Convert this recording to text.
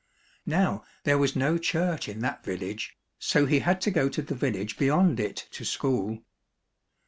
Now there was no church in that village, so he had to go to the village beyond it to school.